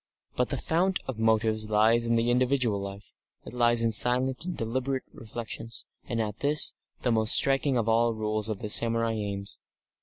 But the fount of motives lies in the individual life, it lies in silent and deliberate reflections, and at this, the most striking of all the rules of the samurai aims.